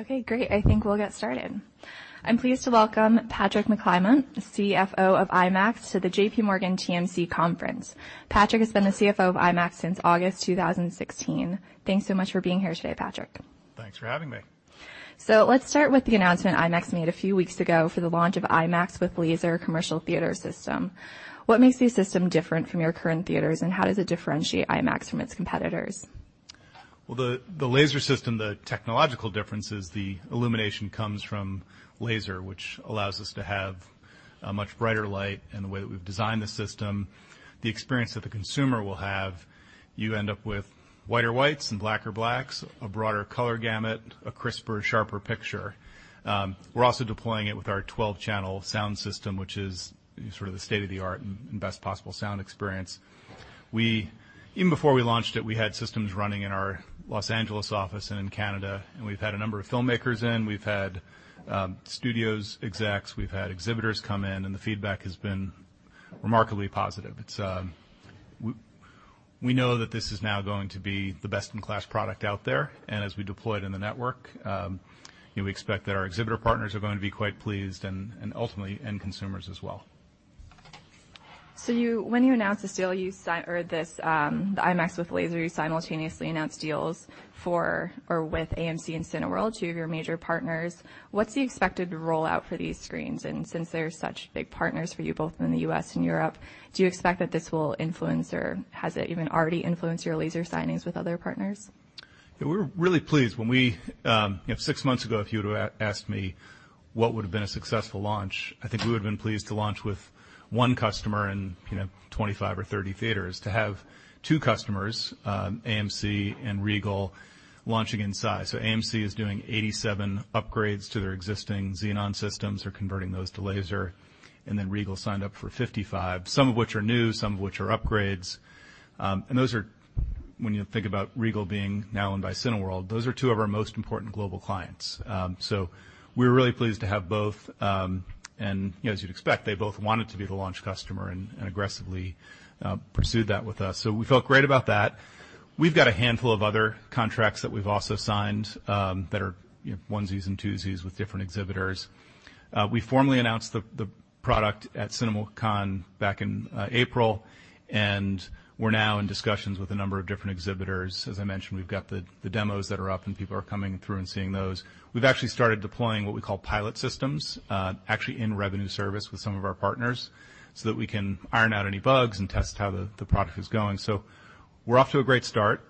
Okay, great. I think we'll get started. I'm pleased to welcome Patrick McClymont, CFO of IMAX, to the JPMorgan TMC Conference. Patrick has been the CFO of IMAX since August 2016. Thanks so much for being here today, Patrick. Thanks for having me. So let's start with the announcement IMAX made a few weeks ago for the launch of IMAX with Laser commercial theater system. What makes this system different from your current theaters, and how does it differentiate IMAX from its competitors? The Laser system, the technological difference is the illumination comes from laser, which allows us to have a much brighter light, and the way that we've designed the system, the experience that the consumer will have, you end up with whiter whites and blacker blacks, a broader color gamut, a crisper, sharper picture. We're also deploying it with our 12-channel sound system, which is sort of the state of the art and best possible sound experience. Even before we launched it, we had systems running in our Los Angeles office and in Canada, and we've had a number of filmmakers in. We've had studios execs, we've had exhibitors come in, and the feedback has been remarkably positive. We know that this is now going to be the best-in-class product out there, and as we deploy it in the network, we expect that our exhibitor partners are going to be quite pleased and ultimately end consumers as well. So when you announced this deal, you signed for this IMAX with Laser. You simultaneously announced deals with AMC and Cineworld, two of your major partners. What's the expected rollout for these screens? And since they're such big partners for you, both in the U.S. and Europe, do you expect that this will influence or has it even already influenced your Laser signings with other partners? Yeah, we're really pleased. When we six months ago, if you would have asked me what would have been a successful launch, I think we would have been pleased to launch with one customer and 25 or 30 theaters. To have two customers, AMC and Regal, launching in size. So AMC is doing 87 upgrades to their existing XENON Systems, they're converting those to Laser, and then Regal signed up for 55, some of which are new, some of which are upgrades. And those are, when you think about Regal being now owned by Cineworld, those are two of our most important global clients. So we're really pleased to have both, and as you'd expect, they both wanted to be the launch customer and aggressively pursued that with us. So we felt great about that. We've got a handful of other contracts that we've also signed that are onesies and twosies with different exhibitors. We formally announced the product at CinemaCon back in April, and we're now in discussions with a number of different exhibitors. As I mentioned, we've got the demos that are up and people are coming through and seeing those. We've actually started deploying what we call pilot systems, actually in revenue service with some of our partners, so that we can iron out any bugs and test how the product is going, so we're off to a great start.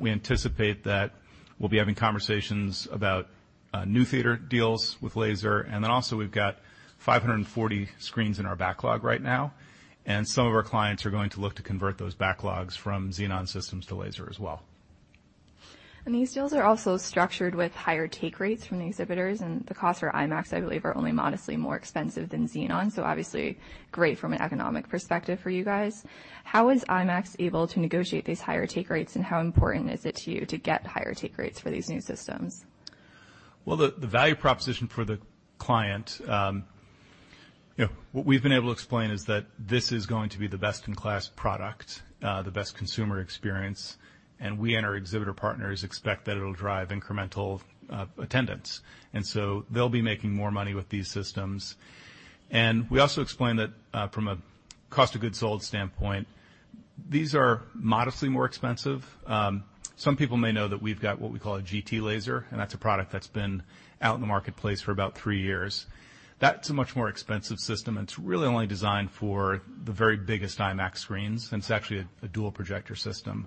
We anticipate that we'll be having conversations about new theater deals with Laser, and then also we've got 540 screens in our backlog right now, and some of our clients are going to look to convert those backlogs from XENON Systems to Laser as well. These deals are also structured with higher take rates from the exhibitors, and the costs for IMAX, I believe, are only modestly more expensive than XENON, so obviously great from an economic perspective for you guys. How is IMAX able to negotiate these higher take rates, and how important is it to you to get higher take rates for these new systems? The value proposition for the client, what we've been able to explain is that this is going to be the best-in-class product, the best consumer experience, and we and our exhibitor partners expect that it'll drive incremental attendance, and so they'll be making more money with these systems, and we also explained that from a cost of goods sold standpoint, these are modestly more expensive. Some people may know that we've got what we call a GT Laser, and that's a product that's been out in the marketplace for about three years. That's a much more expensive system, and it's really only designed for the very biggest IMAX screens, and it's actually a dual projector system.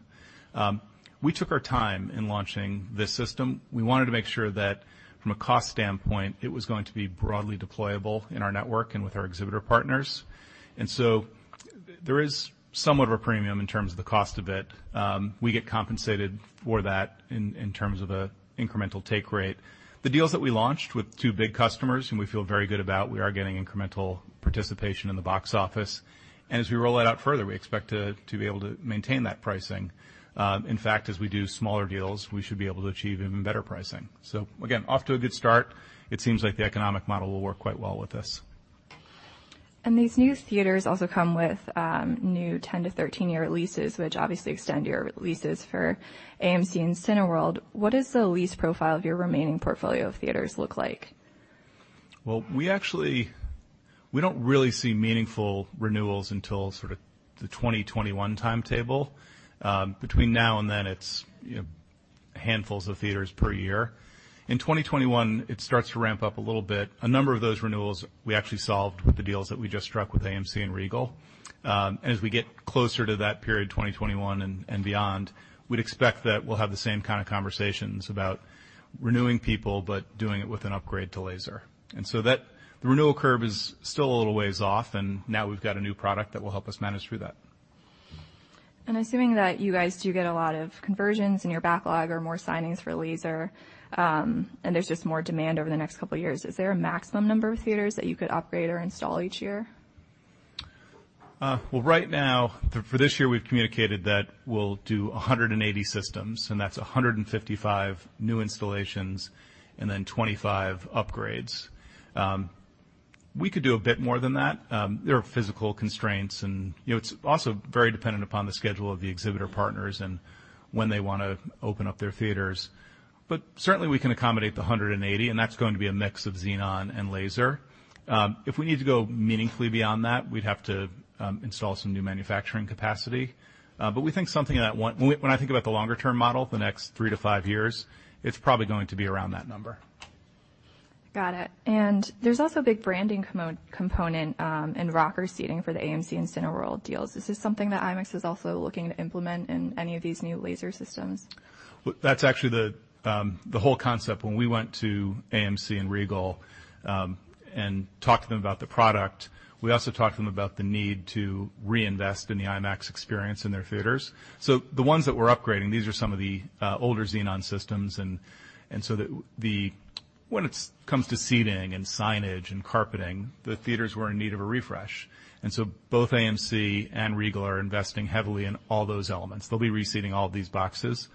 We took our time in launching this system. We wanted to make sure that from a cost standpoint, it was going to be broadly deployable in our network and with our exhibitor partners. And so there is somewhat of a premium in terms of the cost of it. We get compensated for that in terms of an incremental take rate. The deals that we launched with two big customers, and we feel very good about, we are getting incremental participation in the box office. And as we roll that out further, we expect to be able to maintain that pricing. In fact, as we do smaller deals, we should be able to achieve even better pricing. So again, off to a good start, it seems like the economic model will work quite well with us. These new theaters also come with new 10 to 13-year leases, which obviously extend your leases for AMC and Cineworld. What does the lease profile of your remaining portfolio of theaters look like? We actually don't really see meaningful renewals until sort of the 2021 timetable. Between now and then, it's handfuls of theaters per year. In 2021, it starts to ramp up a little bit. A number of those renewals we actually solved with the deals that we just struck with AMC and Regal. As we get closer to that period, 2021 and beyond, we'd expect that we'll have the same kind of conversations about renewing people but doing it with an upgrade to Laser. The renewal curve is still a little ways off, and now we've got a new product that will help us manage through that. Assuming that you guys do get a lot of conversions in your backlog or more signings for Laser, and there's just more demand over the next couple of years, is there a maximum number of theaters that you could upgrade or install each year? Right now, for this year, we've communicated that we'll do 180 systems, and that's 155 new installations and then 25 upgrades. We could do a bit more than that. There are physical constraints, and it's also very dependent upon the schedule of the exhibitor partners and when they want to open up their theaters. But certainly, we can accommodate the 180, and that's going to be a mix of XENON and Laser. If we need to go meaningfully beyond that, we'd have to install some new manufacturing capacity. But we think something that when I think about the longer-term model, the next three to five years, it's probably going to be around that number. Got it. And there's also a big branding component and rocker seating for the AMC and Cineworld deals. Is this something that IMAX is also looking to implement in any of these new Laser systems? That's actually the whole concept. When we went to AMC and Regal and talked to them about the product, we also talked to them about the need to reinvest in the IMAX experience in their theaters. So the ones that we're upgrading, these are some of the older XENON Systems. And so when it comes to seating and signage and carpeting, the theaters were in need of a refresh. And so both AMC and Regal are investing heavily in all those elements. They'll be reseating all of these boxes.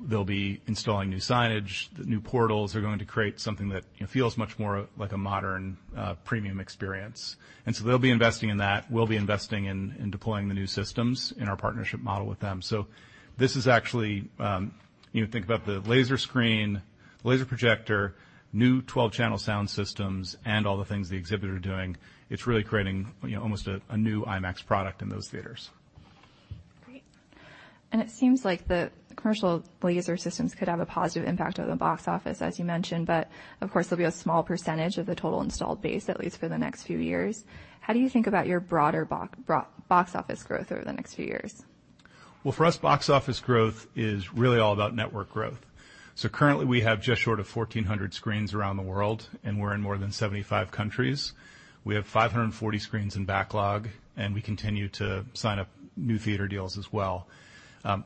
They'll be installing new signage, new portals. They're going to create something that feels much more like a modern premium experience. And so they'll be investing in that. We'll be investing in deploying the new systems in our partnership model with them. This is actually think about the Laser screen, Laser projector, new 12-channel sound systems, and all the things the exhibitor is doing. It's really creating almost a new IMAX product in those theaters. Great, and it seems like the commercial Laser systems could have a positive impact on the box office, as you mentioned, but of course, there'll be a small percentage of the total installed base at least for the next few years. How do you think about your broader box office growth over the next few years? For us, box office growth is really all about network growth. So currently, we have just short of 1,400 screens around the world, and we're in more than 75 countries. We have 540 screens in backlog, and we continue to sign up new theater deals as well.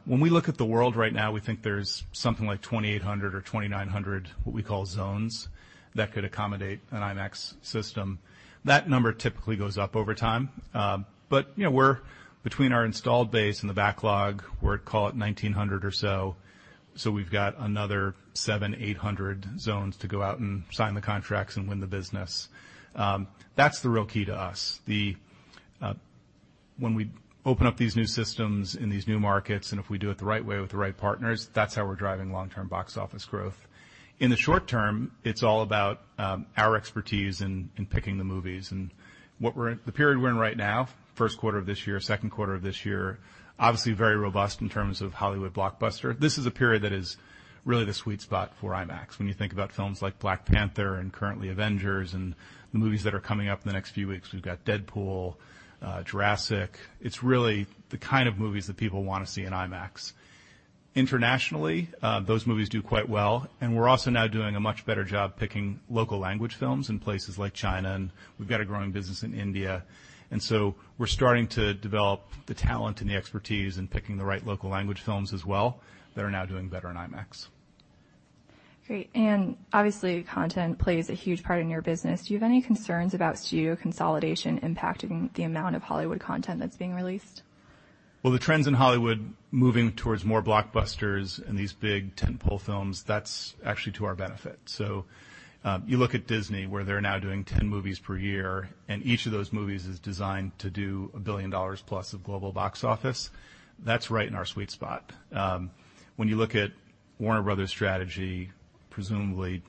When we look at the world right now, we think there's something like 2,800 or 2,900, what we call zones, that could accommodate an IMAX system. That number typically goes up over time. But between our installed base and the backlog, we're at, call it, 1,900 or so. So we've got another seven,800 zones to go out and sign the contracts and win the business. That's the real key to us. When we open up these new systems in these new markets, and if we do it the right way with the right partners, that's how we're driving long-term box office growth. In the short-term, it's all about our expertise in picking the movies, and the period we're in right now, first quarter of this year, second quarter of this year, obviously very robust in terms of Hollywood blockbuster. This is a period that is really the sweet spot for IMAX. When you think about films like Black Panther and currently Avengers and the movies that are coming up in the next few weeks, we've got Deadpool, Jurassic. It's really the kind of movies that people want to see in IMAX. Internationally, those movies do quite well, and we're also now doing a much better job picking local language films in places like China, and we've got a growing business in India, and so we're starting to develop the talent and the expertise in picking the right local language films as well that are now doing better in IMAX. Great. And obviously, content plays a huge part in your business. Do you have any concerns about studio consolidation impacting the amount of Hollywood content that's being released? The trends in Hollywood moving towards more blockbusters and these big tentpole films, that's actually to our benefit. So you look at Disney, where they're now doing 10 movies per year, and each of those movies is designed to do $1 billion plus of global box office. That's right in our sweet spot. When you look at Warner Bros.' strategy, presumably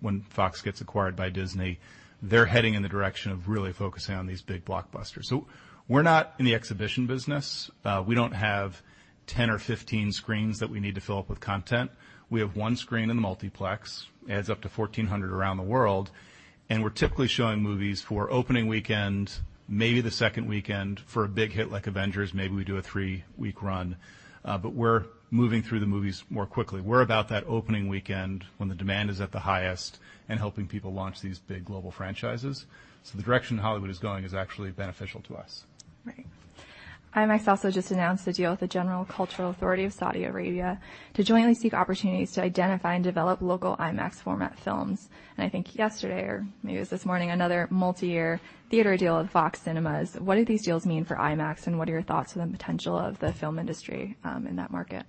when Fox gets acquired by Disney, they're heading in the direction of really focusing on these big blockbusters. So we're not in the exhibition business. We don't have 10 or 15 screens that we need to fill up with content. We have one screen in the multiplex, adds up to 1,400 around the world. And we're typically showing movies for opening weekend, maybe the second weekend. For a big hit like Avengers, maybe we do a three-week run. But we're moving through the movies more quickly. We're about that opening weekend when the demand is at the highest and helping people launch these big global franchises. So the direction Hollywood is going is actually beneficial to us. Right. IMAX also just announced a deal with the General Cultural Authority of Saudi Arabia to jointly seek opportunities to identify and develop local IMAX format films, and I think yesterday, or maybe it was this morning, another multi-year theater deal with VOX Cinemas. What do these deals mean for IMAX, and what are your thoughts on the potential of the film industry in that market?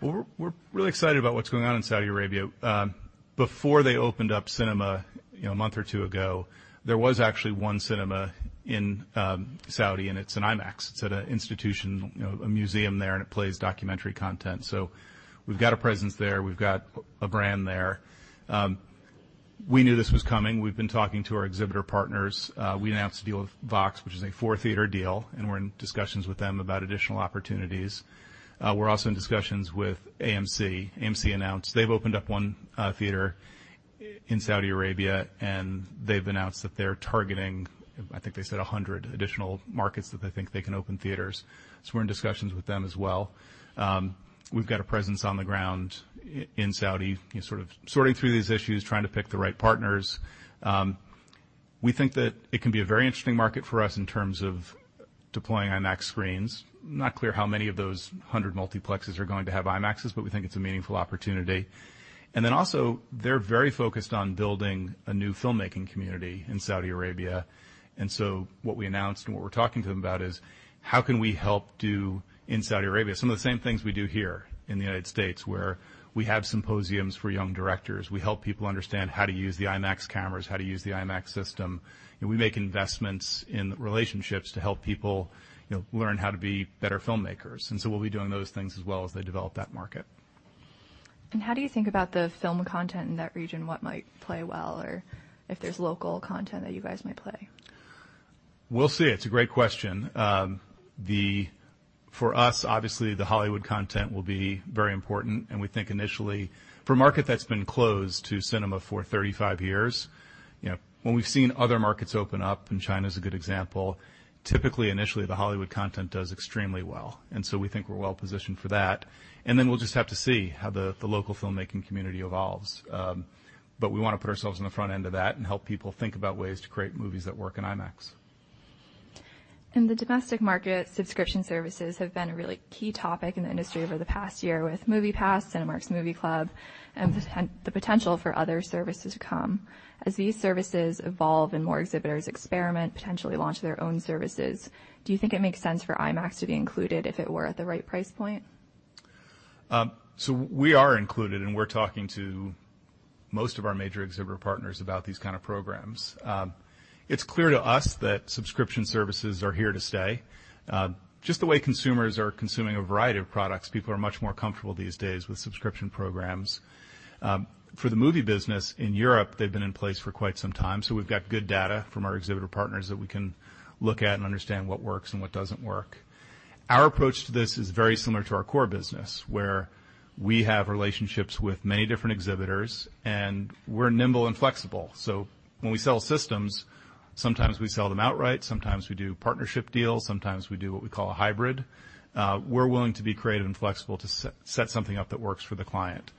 Well, we're really excited about what's going on in Saudi Arabia. Before they opened up cinema a month or two ago, there was actually one cinema in Saudi, and it's an IMAX. It's at an institution, a museum there, and it plays documentary content. So we've got a presence there. We've got a brand there. We knew this was coming. We've been talking to our exhibitor partners. We announced a deal with VOX, which is a four-theater deal, and we're in discussions with them about additional opportunities. We're also in discussions with AMC. AMC announced they've opened up one theater in Saudi Arabia, and they've announced that they're targeting, I think they said, 100 additional markets that they think they can open theaters. So we're in discussions with them as well. We've got a presence on the ground in Saudi, sort of sorting through these issues, trying to pick the right partners. We think that it can be a very interesting market for us in terms of deploying IMAX screens. Not clear how many of those 100 multiplexes are going to have IMAXes, but we think it's a meaningful opportunity, and then also, they're very focused on building a new filmmaking community in Saudi Arabia, so what we announced and what we're talking to them about is, how can we help do in Saudi Arabia some of the same things we do here in the United States, where we have symposiums for young directors? We help people understand how to use the IMAX Cameras, how to use the IMAX system. We make investments in relationships to help people learn how to be better filmmakers. We'll be doing those things as well as they develop that market. How do you think about the film content in that region? What might play well, or if there's local content that you guys might play? We'll see. It's a great question. For us, obviously, the Hollywood content will be very important, and we think initially, for a market that's been closed to cinema for 35 years, when we've seen other markets open up, and China's a good example, typically, initially, the Hollywood content does extremely well, and so we think we're well positioned for that, and then we'll just have to see how the local filmmaking community evolves, but we want to put ourselves on the front end of that and help people think about ways to create movies that work in IMAX. The domestic market subscription services have been a really key topic in the industry over the past year with MoviePass, Cinemark's Movie Club, and the potential for other services to come. As these services evolve and more exhibitors experiment, potentially launch their own services, do you think it makes sense for IMAX to be included if it were at the right price point? So we are included, and we're talking to most of our major exhibitor partners about these kinds of programs. It's clear to us that subscription services are here to stay. Just the way consumers are consuming a variety of products, people are much more comfortable these days with subscription programs. For the movie business in Europe, they've been in place for quite some time. So we've got good data from our exhibitor partners that we can look at and understand what works and what doesn't work. Our approach to this is very similar to our core business, where we have relationships with many different exhibitors, and we're nimble and flexible. So when we sell systems, sometimes we sell them outright. Sometimes we do partnership deals. Sometimes we do what we call a hybrid. We're willing to be creative and flexible to set something up that works for the client.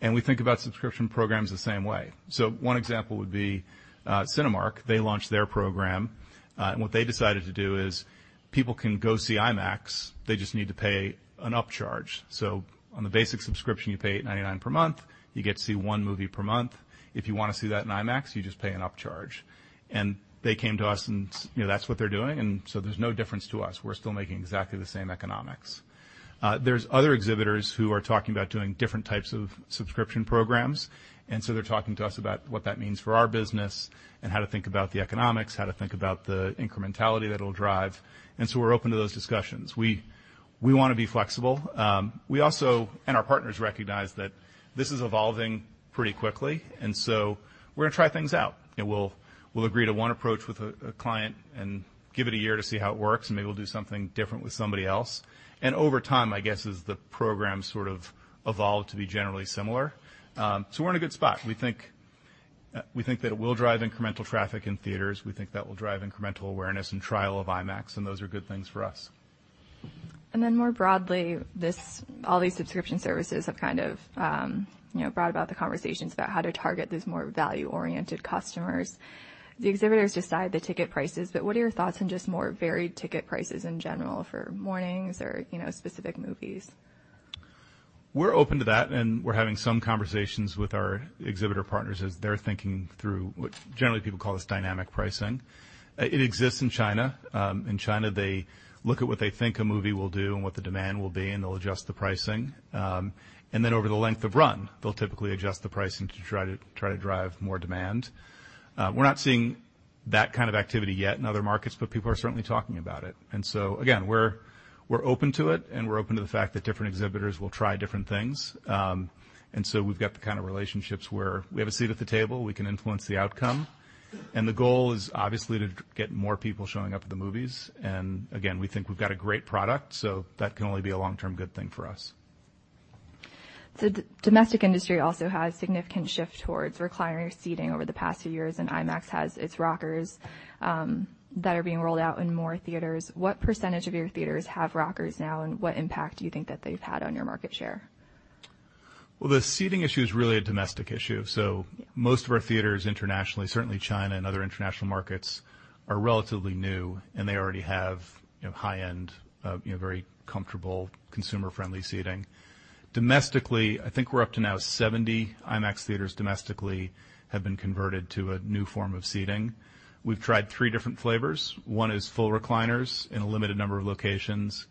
And we think about subscription programs the same way. So one example would be Cinemark. They launched their program. And what they decided to do is people can go see IMAX. They just need to pay an upcharge. So on the basic subscription, you pay $8.99 per month. You get to see one movie per month. If you want to see that in IMAX, you just pay an upcharge. And they came to us, and that's what they're doing. And so there's no difference to us. We're still making exactly the same economics. There's other exhibitors who are talking about doing different types of subscription programs. And so they're talking to us about what that means for our business and how to think about the economics, how to think about the incrementality that it'll drive. And so we're open to those discussions. We want to be flexible. We also, and our partners, recognize that this is evolving pretty quickly, and so we're going to try things out. We'll agree to one approach with a client and give it a year to see how it works, and maybe we'll do something different with somebody else, and over time, I guess, as the program sort of evolved to be generally similar, so we're in a good spot. We think that it will drive incremental traffic in theaters. We think that will drive incremental awareness and trial of IMAX, and those are good things for us. Then more broadly, all these subscription services have kind of brought about the conversations about how to target those more value-oriented customers. The exhibitors decide the ticket prices, but what are your thoughts on just more varied ticket prices in general for mornings or specific movies? We're open to that, and we're having some conversations with our exhibitor partners as they're thinking through what generally people call this dynamic pricing. It exists in China. In China, they look at what they think a movie will do and what the demand will be, and they'll adjust the pricing. And then over the length of run, they'll typically adjust the pricing to try to drive more demand. We're not seeing that kind of activity yet in other markets, but people are certainly talking about it. And so, again, we're open to it, and we're open to the fact that different exhibitors will try different things. And so we've got the kind of relationships where we have a seat at the table. We can influence the outcome. And the goal is obviously to get more people showing up at the movies. Again, we think we've got a great product, so that can only be a long-term good thing for us. The domestic industry also has a significant shift towards recliner seating over the past few years, and IMAX has its rockers that are being rolled out in more theaters. What percentage of your theaters have rockers now, and what impact do you think that they've had on your market share? The seating issue is really a domestic issue. Most of our theaters internationally, certainly China and other international markets, are relatively new, and they already have high-end, very comfortable, consumer-friendly seating. Domestically, I think we're up to now 70 IMAX theaters domestically have been converted to a new form of seating. We've tried three different flavors. One is full recliners in a limited number of locations.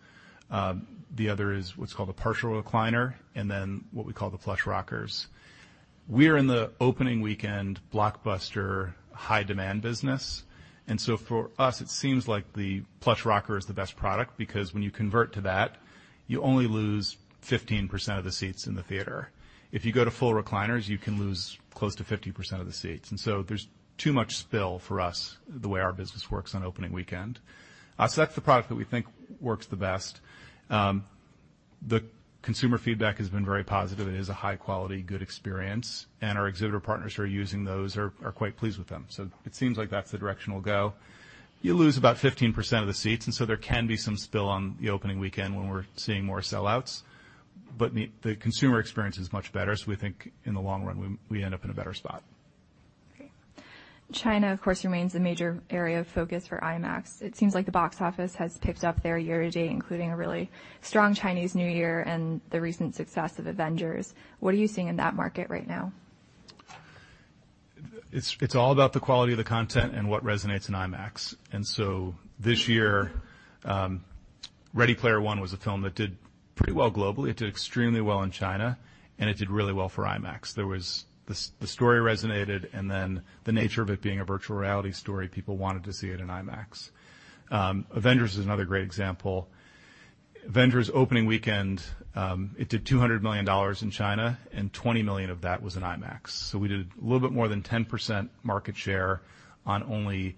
The other is what's called a partial recliner, and then what we call the plush rockers. We are in the opening weekend blockbuster high-demand business. For us, it seems like the plush rocker is the best product because when you convert to that, you only lose 15% of the seats in the theater. If you go to full recliners, you can lose close to 50% of the seats. And so there's too much spill for us the way our business works on opening weekend. So that's the product that we think works the best. The consumer feedback has been very positive. It is a high-quality, good experience. And our exhibitor partners who are using those are quite pleased with them. So it seems like that's the direction we'll go. You lose about 15% of the seats, and so there can be some spill on the opening weekend when we're seeing more sellouts. But the consumer experience is much better, so we think in the long run, we end up in a better spot. Great. China, of course, remains a major area of focus for IMAX. It seems like the box office has picked up there year to date, including a really strong Chinese New Year and the recent success of Avengers. What are you seeing in that market right now? It's all about the quality of the content and what resonates in IMAX. And so this year, Ready Player One was a film that did pretty well globally. It did extremely well in China, and it did really well for IMAX. The story resonated, and then the nature of it being a virtual reality story, people wanted to see it in IMAX. Avengers is another great example. Avengers opening weekend, it did $200 million in China, and $20 million of that was in IMAX. So we did a little bit more than 10% market share on only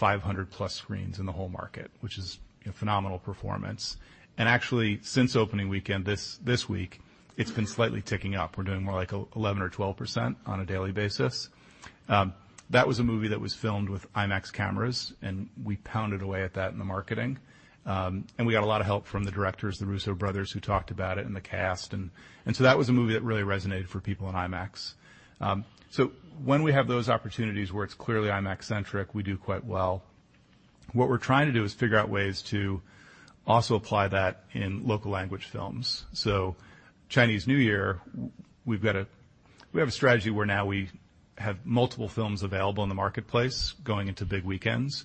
500-plus screens in the whole market, which is a phenomenal performance. And actually, since opening weekend this week, it's been slightly ticking up. We're doing more like 11% or 12% on a daily basis. That was a movie that was filmed with IMAX cameras, and we pounded away at that in the marketing, and we got a lot of help from the directors, the Russo Brothers, who talked about it and the cast, and so that was a movie that really resonated for people in IMAX, so when we have those opportunities where it's clearly IMAX-centric, we do quite well. What we're trying to do is figure out ways to also apply that in local language films, so Chinese New Year, we have a strategy where now we have multiple films available in the marketplace going into big weekends.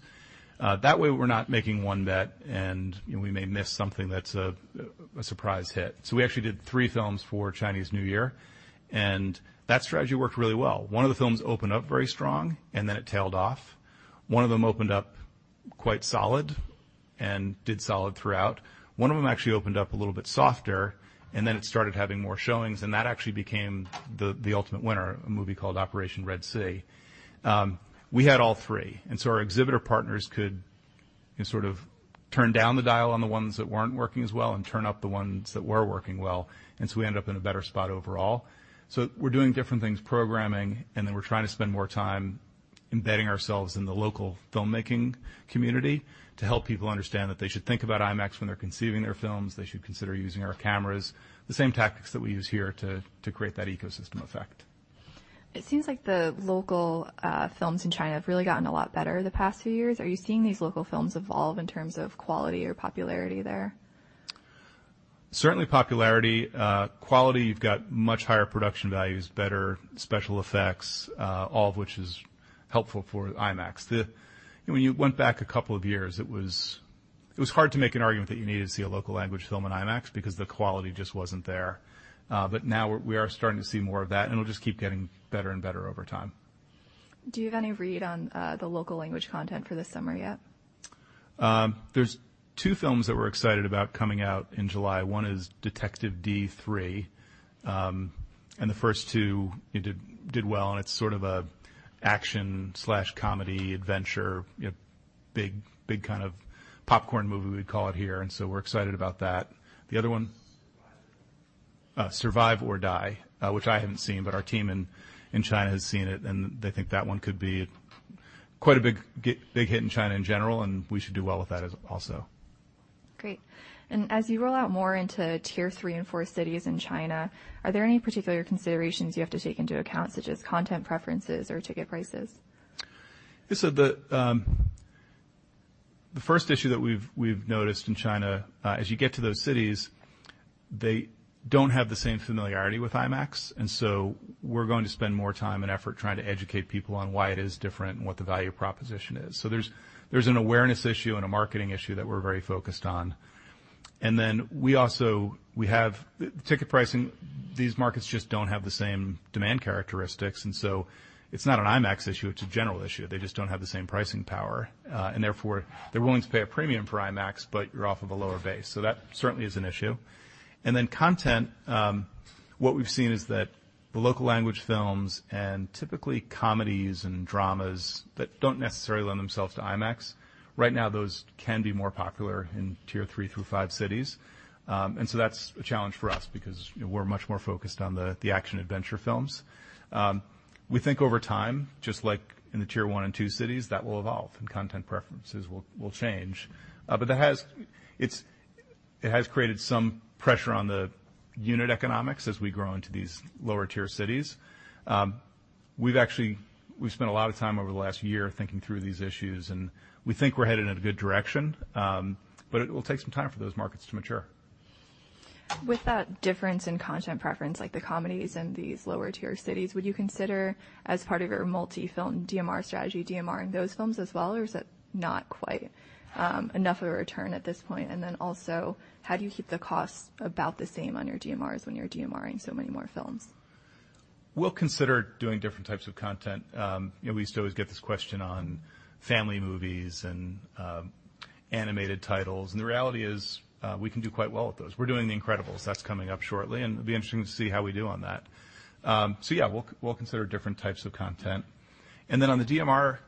That way, we're not making one bet, and we may miss something that's a surprise hit, so we actually did three films for Chinese New Year, and that strategy worked really well. One of the films opened up very strong, and then it tailed off. One of them opened up quite solid and did solid throughout. One of them actually opened up a little bit softer, and then it started having more showings, and that actually became the ultimate winner, a movie called Operation Red Sea. We had all three. And so our exhibitor partners could sort of turn down the dial on the ones that weren't working as well and turn up the ones that were working well. And so we ended up in a better spot overall. So we're doing different things, programming, and then we're trying to spend more time embedding ourselves in the local filmmaking community to help people understand that they should think about IMAX when they're conceiving their films. They should consider using our cameras, the same tactics that we use here to create that ecosystem effect. It seems like the local films in China have really gotten a lot better the past few years. Are you seeing these local films evolve in terms of quality or popularity there? Certainly popularity. Quality, you've got much higher production values, better special effects, all of which is helpful for IMAX. When you went back a couple of years, it was hard to make an argument that you needed to see a local language film in IMAX because the quality just wasn't there. But now we are starting to see more of that, and it'll just keep getting better and better over time. Do you have any read on the local language content for this summer yet? There's two films that we're excited about coming out in July. One is Detective Dee 3, and the first two did well, and it's sort of an action/comedy adventure, big kind of popcorn movie, we'd call it here. And so we're excited about that. The other one? Dying to Survive. Dying to Survive, which I haven't seen, but our team in China has seen it, and they think that one could be quite a big hit in China in general, and we should do well with that also. Great. And as you roll out more into tier three and four cities in China, are there any particular considerations you have to take into account, such as content preferences or ticket prices? So the first issue that we've noticed in China, as you get to those cities, they don't have the same familiarity with IMAX. And so we're going to spend more time and effort trying to educate people on why it is different and what the value proposition is. So there's an awareness issue and a marketing issue that we're very focused on. And then we also have ticket pricing. These markets just don't have the same demand characteristics. And so it's not an IMAX issue. It's a general issue. They just don't have the same pricing power. And therefore, they're willing to pay a premium for IMAX, but you're off of a lower base. So that certainly is an issue. And then, content. What we've seen is that the local language films and typically comedies and dramas that don't necessarily lend themselves to IMAX. Right now, those can be more popular in tier three through five cities. And so that's a challenge for us because we're much more focused on the action adventure films. We think over time, just like in the tier one and two cities, that will evolve, and content preferences will change. But it has created some pressure on the unit economics as we grow into these lower-tier cities. We've spent a lot of time over the last year thinking through these issues, and we think we're headed in a good direction, but it will take some time for those markets to mature. With that difference in content preference, like the comedies in these lower-tier cities, would you consider, as part of your multi-film DMR strategy, DMRing those films as well, or is that not quite enough of a return at this point, and then also, how do you keep the costs about the same on your DMRs when you're DMRing so many more films? We'll consider doing different types of content. We used to always get this question on family movies and animated titles, and the reality is we can do quite well with those. We're doing The Incredibles. That's coming up shortly, and it'll be interesting to see how we do on that, so yeah, we'll consider different types of content, and then on the DMR,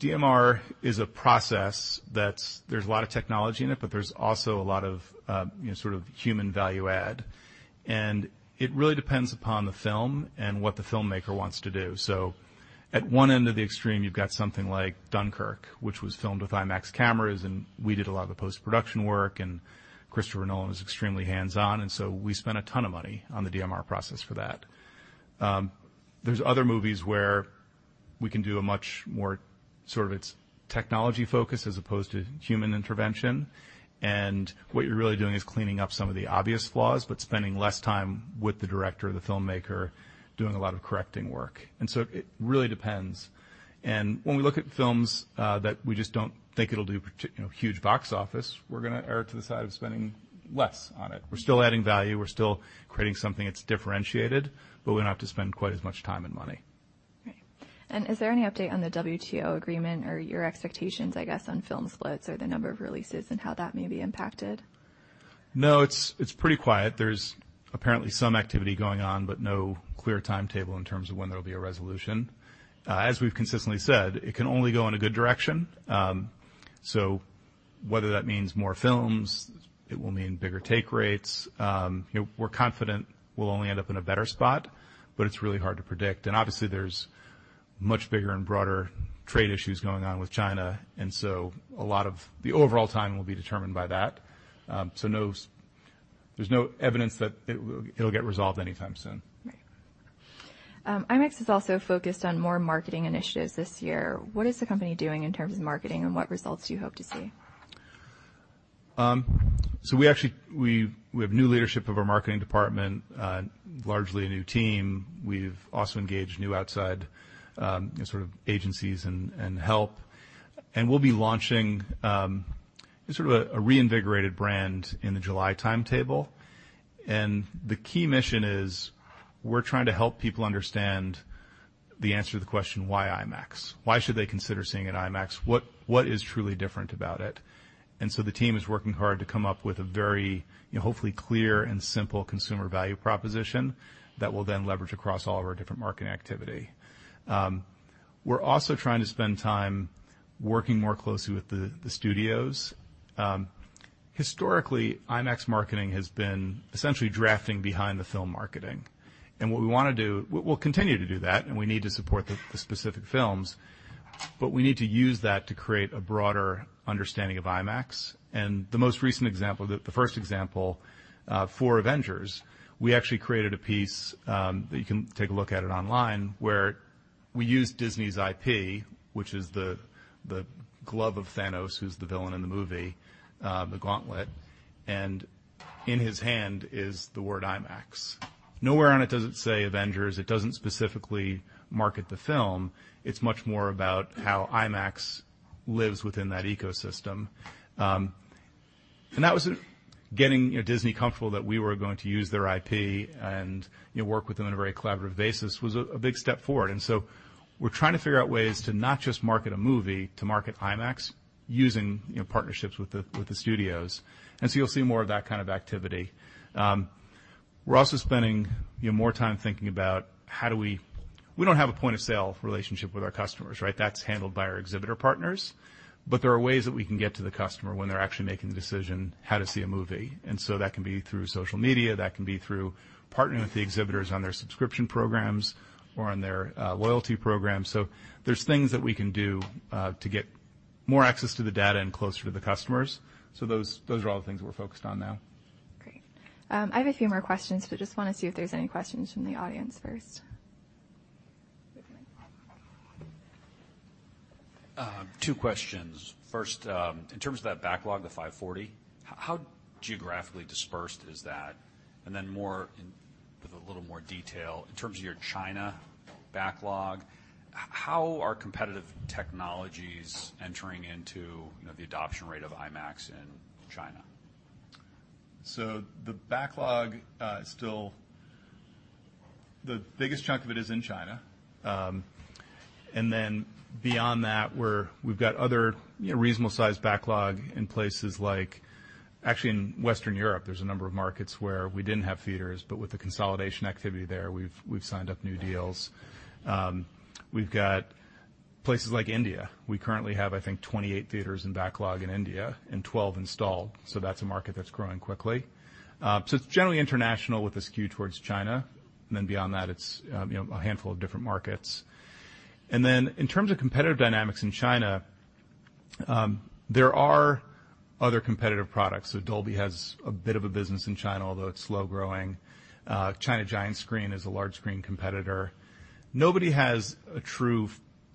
DMR is a process that there's a lot of technology in it, but there's also a lot of sort of human value add, and it really depends upon the film and what the filmmaker wants to do, so at one end of the extreme, you've got something like Dunkirk, which was filmed with IMAX cameras, and we did a lot of the post-production work, and Christopher Nolan was extremely hands-on, and so we spent a ton of money on the DMR process for that. There's other movies where we can do a much more sort of technology-focused as opposed to human intervention, and what you're really doing is cleaning up some of the obvious flaws, but spending less time with the director, the filmmaker, doing a lot of correcting work, and so it really depends, and when we look at films that we just don't think it'll do huge box office, we're going to err to the side of spending less on it. We're still adding value. We're still creating something that's differentiated, but we don't have to spend quite as much time and money. Great. And is there any update on the WTO agreement or your expectations, I guess, on film splits or the number of releases and how that may be impacted? No, it's pretty quiet. There's apparently some activity going on, but no clear timetable in terms of when there'll be a resolution. As we've consistently said, it can only go in a good direction. So whether that means more films, it will mean bigger take rates. We're confident we'll only end up in a better spot, but it's really hard to predict. And obviously, there's much bigger and broader trade issues going on with China, and so a lot of the overall time will be determined by that. So there's no evidence that it'll get resolved anytime soon. Right. IMAX is also focused on more marketing initiatives this year. What is the company doing in terms of marketing, and what results do you hope to see? We have new leadership of our marketing department, largely a new team. We've also engaged new outside sort of agencies and help. We'll be launching sort of a reinvigorated brand in the July timetable. The key mission is we're trying to help people understand the answer to the question, why IMAX? Why should they consider seeing an IMAX? What is truly different about it? The team is working hard to come up with a very hopefully clear and simple consumer value proposition that we'll then leverage across all of our different marketing activity. We're also trying to spend time working more closely with the studios. Historically, IMAX marketing has been essentially drafting behind the film marketing. And what we want to do, we'll continue to do that, and we need to support the specific films, but we need to use that to create a broader understanding of IMAX. And the most recent example, the first example for Avengers, we actually created a piece that you can take a look at it online where we used Disney's IP, which is the glove of Thanos, who's the villain in the movie, the gauntlet, and in his hand is the word IMAX. Nowhere on it does it say Avengers. It doesn't specifically market the film. It's much more about how IMAX lives within that ecosystem. And that was getting Disney comfortable that we were going to use their IP and work with them on a very collaborative basis was a big step forward. And so we're trying to figure out ways to not just market a movie, to market IMAX using partnerships with the studios. And so you'll see more of that kind of activity. We're also spending more time thinking about how do we, we don't have a point of sale relationship with our customers, right? That's handled by our exhibitor partners. But there are ways that we can get to the customer when they're actually making the decision how to see a movie. And so that can be through social media. That can be through partnering with the exhibitors on their subscription programs or on their loyalty programs. So there's things that we can do to get more access to the data and closer to the customers. So those are all the things we're focused on now. Great. I have a few more questions, but just want to see if there's any questions from the audience first. Two questions. First, in terms of that backlog, the 540, how geographically dispersed is that? And then with a little more detail, in terms of your China backlog, how are competitive technologies entering into the adoption rate of IMAX in China? The backlog, still, the biggest chunk of it is in China. Then beyond that, we've got other reasonable-sized backlog in places like, actually, in Western Europe, there's a number of markets where we didn't have theaters, but with the consolidation activity there, we've signed up new deals. We've got places like India. We currently have, I think, 28 theaters in backlog in India and 12 installed. That's a market that's growing quickly. It's generally international with a skew towards China. Then beyond that, it's a handful of different markets. Then in terms of competitive dynamics in China, there are other competitive products. Dolby has a bit of a business in China, although it's slow-growing. China Giant Screen is a large-screen competitor. Nobody has a true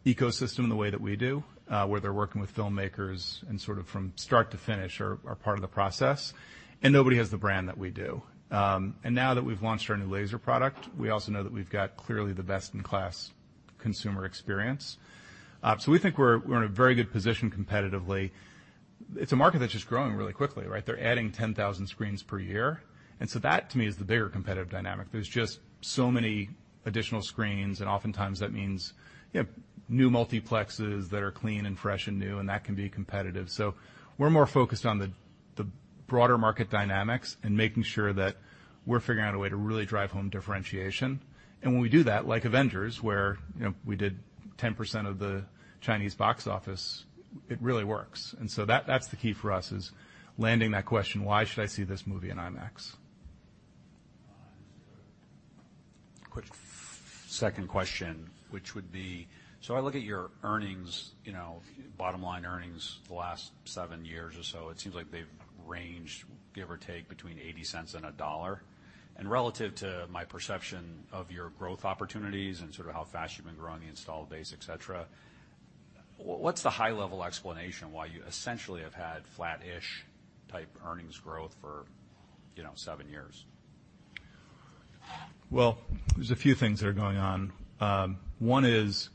ecosystem in the way that we do, where they're working with filmmakers and sort of from start to finish are part of the process. And nobody has the brand that we do. And now that we've launched our new laser product, we also know that we've got clearly the best-in-class consumer experience. So we think we're in a very good position competitively. It's a market that's just growing really quickly, right? They're adding 10,000 screens per year. And so that, to me, is the bigger competitive dynamic. There's just so many additional screens, and oftentimes that means new multiplexes that are clean and fresh and new, and that can be competitive. So we're more focused on the broader market dynamics and making sure that we're figuring out a way to really drive home differentiation. When we do that, like Avengers, where we did 10% of the Chinese box office, it really works, and so that's the key for us, is landing that question, why should I see this movie in IMAX? Quick second question, which would be, so I look at your earnings, bottom-line earnings the last seven years or so. It seems like they've ranged, give or take, between $0.80 and $1. And relative to my perception of your growth opportunities and sort of how fast you've been growing the installed base, etc., what's the high-level explanation why you essentially have had flat-ish-type earnings growth for seven years? There's a few things that are going on. One is,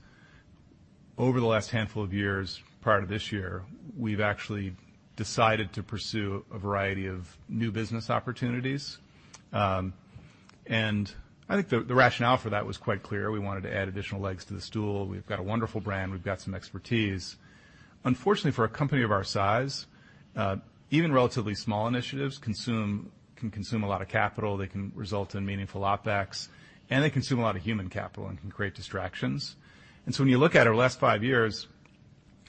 over the last handful of years prior to this year, we've actually decided to pursue a variety of new business opportunities. And I think the rationale for that was quite clear. We wanted to add additional legs to the stool. We've got a wonderful brand. We've got some expertise. Unfortunately, for a company of our size, even relatively small initiatives can consume a lot of capital. They can result in meaningful OpEx, and they consume a lot of human capital and can create distractions. And so when you look at our last five years,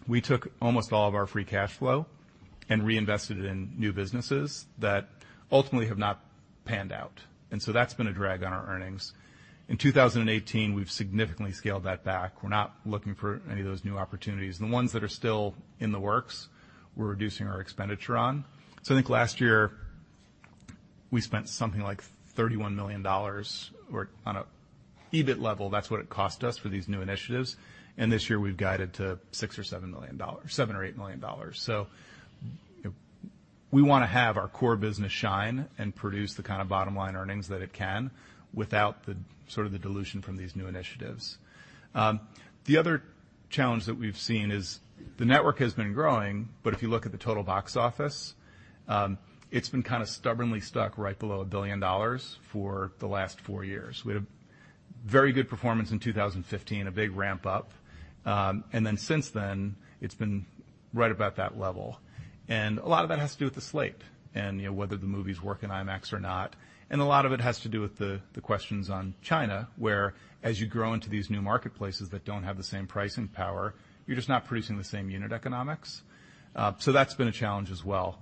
we took almost all of our free cash flow and reinvested it in new businesses that ultimately have not panned out. And so that's been a drag on our earnings. In 2018, we've significantly scaled that back. We're not looking for any of those new opportunities. The ones that are still in the works, we're reducing our expenditure on. So I think last year we spent something like $31 million. On an EBIT level, that's what it cost us for these new initiatives. And this year, we've guided to $6 or $7 or $8 million. So we want to have our core business shine and produce the kind of bottom-line earnings that it can without sort of the dilution from these new initiatives. The other challenge that we've seen is the network has been growing, but if you look at the total box office, it's been kind of stubbornly stuck right below $1 billion for the last four years. We had a very good performance in 2015, a big ramp-up. And then since then, it's been right about that level. And a lot of that has to do with the slate and whether the movie's working IMAX or not. And a lot of it has to do with the questions on China, where as you grow into these new marketplaces that don't have the same pricing power, you're just not producing the same unit economics. So that's been a challenge as well.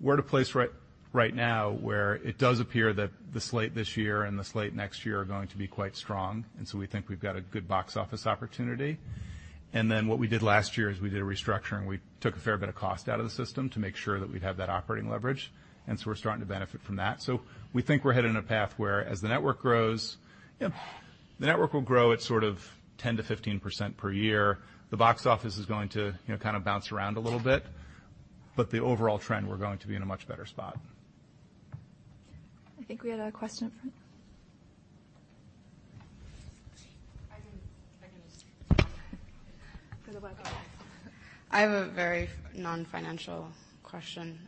We're at a place right now where it does appear that the slate this year and the slate next year are going to be quite strong. And so we think we've got a good box office opportunity. And then what we did last year is we did a restructuring. We took a fair bit of cost out of the system to make sure that we'd have that operating leverage. And so we're starting to benefit from that. So we think we're headed in a path where, as the network grows, the network will grow at sort of 10%-15% per year. The box office is going to kind of bounce around a little bit, but the overall trend, we're going to be in a much better spot. I think we had a question from. I have a very non-financial question.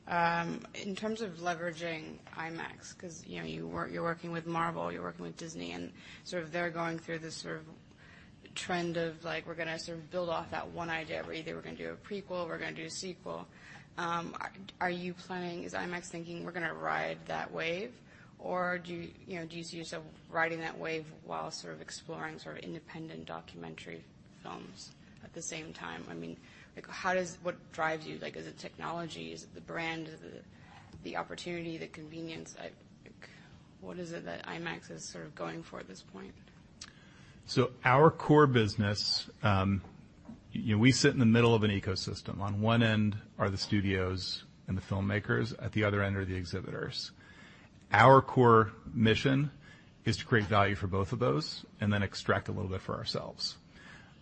In terms of leveraging IMAX, because you're working with Marvel, you're working with Disney, and sort of they're going through this sort of trend of like, "We're going to sort of build off that one idea where either we're going to do a prequel, we're going to do a sequel." Are you planning? Is IMAX thinking, "We're going to ride that wave"? Or do you see yourself riding that wave while sort of exploring sort of independent documentary films at the same time? I mean, what drives you? Is it technology? Is it the brand? Is it the opportunity, the convenience? What is it that IMAX is sort of going for at this point? So our core business, we sit in the middle of an ecosystem. On one end are the studios and the filmmakers. At the other end are the exhibitors. Our core mission is to create value for both of those and then extract a little bit for ourselves.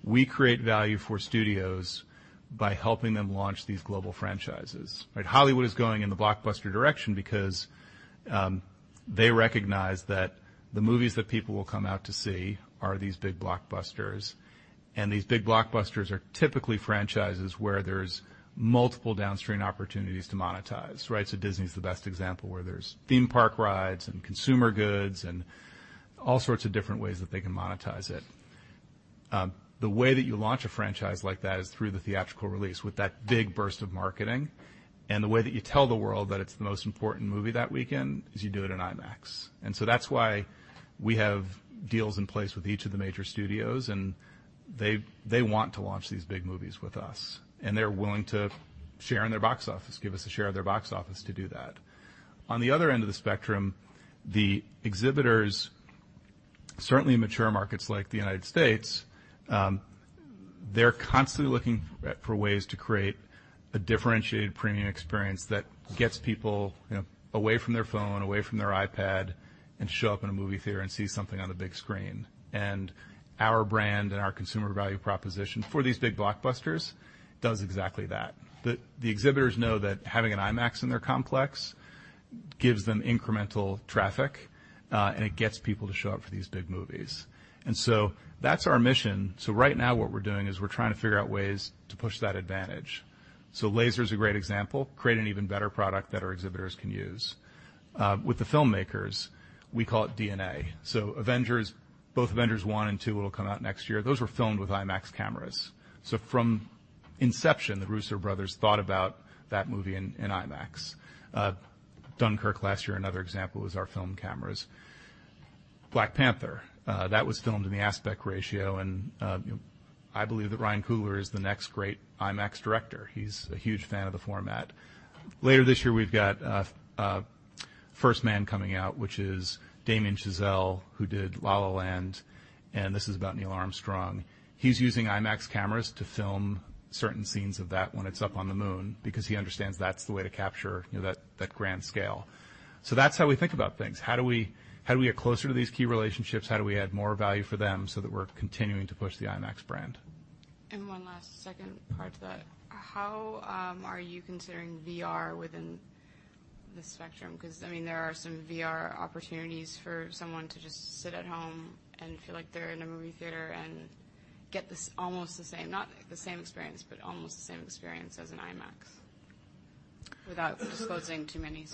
We create value for studios by helping them launch these global franchises. Hollywood is going in the blockbuster direction because they recognize that the movies that people will come out to see are these big blockbusters. And these big blockbusters are typically franchises where there's multiple downstream opportunities to monetize, right? So Disney is the best example where there's theme park rides and consumer goods and all sorts of different ways that they can monetize it. The way that you launch a franchise like that is through the theatrical release with that big burst of marketing. And the way that you tell the world that it's the most important movie that weekend is you do it in IMAX. And so that's why we have deals in place with each of the major studios, and they want to launch these big movies with us. And they're willing to share in their box office, give us a share of their box office to do that. On the other end of the spectrum, the exhibitors, certainly in mature markets like the United States, they're constantly looking for ways to create a differentiated premium experience that gets people away from their phone, away from their iPad, and show up in a movie theater and see something on the big screen. And our brand and our consumer value proposition for these big blockbusters does exactly that. The exhibitors know that having an IMAX in their complex gives them incremental traffic, and it gets people to show up for these big movies, and so that's our mission, so right now, what we're doing is we're trying to figure out ways to push that advantage, so laser is a great example, creating an even better product that our exhibitors can use. With the filmmakers, we call it DNA, so Avengers, both Avengers 1 and 2, it'll come out next year. Those were filmed with IMAX cameras, so from inception, the Russo Brothers thought about that movie in IMAX. Dunkirk, last year, another example is our film cameras. Black Panther, that was filmed in the aspect ratio, and I believe that Ryan Coogler is the next great IMAX director. He's a huge fan of the format. Later this year, we've got First Man coming out, which is Damien Chazelle, who did La La Land, and this is about Neil Armstrong. He's using IMAX cameras to film certain scenes of that when it's up on the moon because he understands that's the way to capture that grand scale, so that's how we think about things. How do we get closer to these key relationships? How do we add more value for them so that we're continuing to push the IMAX brand? And one last second part to that. How are you considering VR within the spectrum? Because, I mean, there are some VR opportunities for someone to just sit at home and feel like they're in a movie theater and get almost the same, not the same experience, but almost the same experience as an IMAX without disclosing too many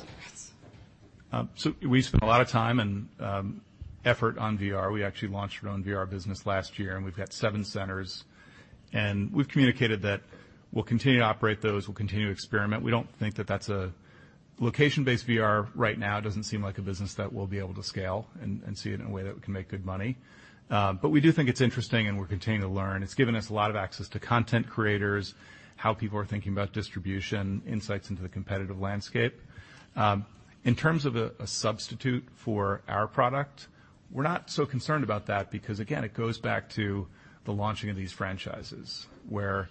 secrets. We spent a lot of time and effort on VR. We actually launched our own VR business last year, and we've got seven centers. We've communicated that we'll continue to operate those. We'll continue to experiment. We don't think that that's a location-based VR right now. It doesn't seem like a business that we'll be able to scale and see it in a way that we can make good money. We do think it's interesting, and we're continuing to learn. It's given us a lot of access to content creators, how people are thinking about distribution, insights into the competitive landscape. In terms of a substitute for our product, we're not so concerned about that because, again, it goes back to the launching of these franchises where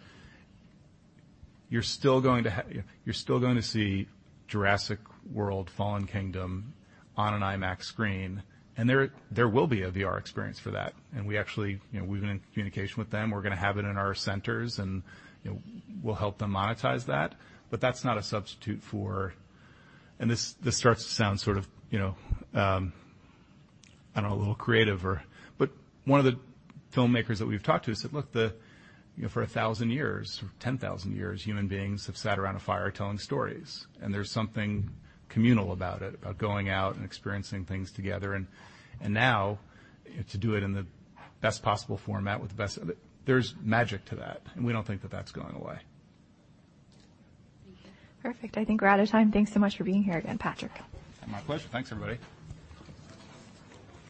you're still going to see Jurassic World: Fallen Kingdom on an IMAX screen. And there will be a VR experience for that. And we actually, we've been in communication with them. We're going to have it in our centers, and we'll help them monetize that. But that's not a substitute for, and this starts to sound sort of, I don't know, a little creative. But one of the filmmakers that we've talked to said, "Look, for a thousand years or 10,000 years, human beings have sat around a fire telling stories. And there's something communal about it, about going out and experiencing things together. And now, to do it in the best possible format with the best, there's magic to that. And we don't think that that's going away. Perfect. I think we're out of time. Thanks so much for being here again, Patrick. My pleasure. Thanks, everybody.